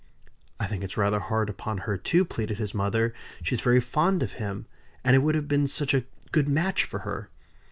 "I think it's rather hard upon her too," pleaded his mother. "She's very fond of him; and it would have been such a good match for her."